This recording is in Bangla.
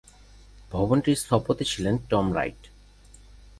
ভবনটির স্থপতি ছিলেন টম রাইট।